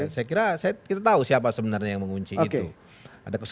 saya kira kita tahu siapa sebenarnya yang mengunci itu